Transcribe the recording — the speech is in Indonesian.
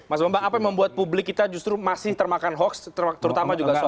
mas bambang apa yang membuat publik kita justru masih termakan hoax terutama juga soalnya